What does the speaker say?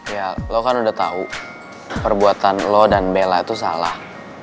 ya lo kan udah tahu perbuatan lo dan bella itu salah